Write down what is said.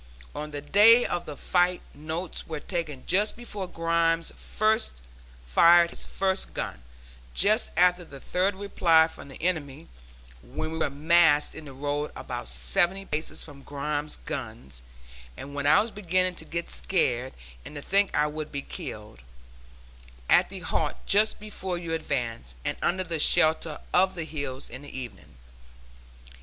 On the day of the fight notes were taken just before Grimes fired his first gun, just after the third reply from the enemy when we were massed in the road about seventy paces from Grimes' guns, and when I was beginning to get scared and to think I would be killed at the halt just before you advanced, and under the shelter of the hills in the evening.